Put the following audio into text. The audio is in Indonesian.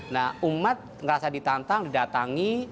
nah umat merasa ditantang didatangi